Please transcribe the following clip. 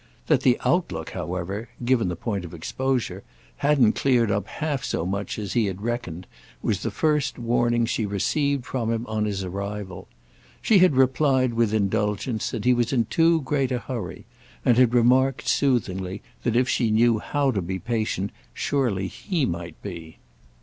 That the outlook, however—given the point of exposure—hadn't cleared up half so much as he had reckoned was the first warning she received from him on his arrival. She had replied with indulgence that he was in too great a hurry, and had remarked soothingly that if she knew how to be patient surely he might be.